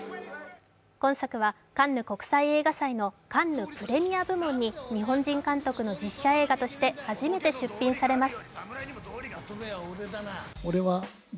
今作はカンヌ国際映画祭のカンヌ・プレミア部門に日本人監督の実写映画として初めて出品されます。